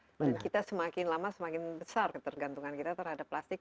dan kita semakin lama semakin besar ketergantungan kita terhadap plastik